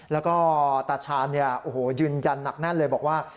แล้วก็ตาชาญยืนยันหนักแน่นเลยบอกว่า